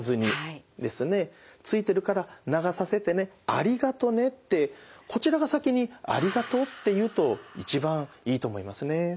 「ついてるから流させてねありがとね」ってこちらが先に「ありがとう」って言うと一番いいと思いますね。